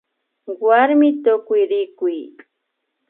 Warmi Tukuyrikuy